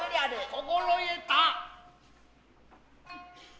心得た。